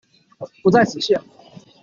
不在此限